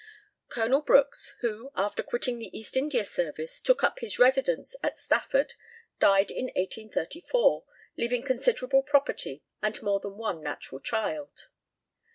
Col. Brookes, who, after quitting the East India service, took up his residence at Stafford, died in 1834, leaving considerable property, and more than one natural child.